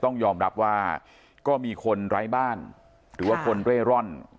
ต้องยอมรับว่าก็มีคนไร้บ้านหรือว่าคนเร่ร่อน